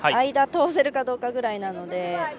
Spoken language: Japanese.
間を通せるかどうかぐらいなので。